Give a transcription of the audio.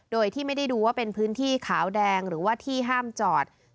โดยที่ไม่ได้ดูว่าเป็นพื้นที่ขาวแดงหรือว่าที่ห้ามจอด